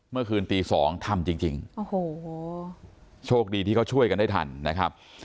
เมื่อคืนตีสองทำจริงโอ้โหโชคดีที่เขาช่วยกันได้ทันนะครับ